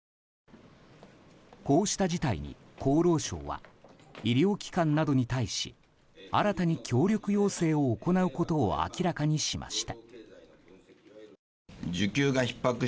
こうした事態に、厚労省は医療機関などに対し新たに協力要請を行うことを明らかにしました。